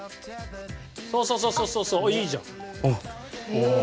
そうそうそうそうあっいいじゃん。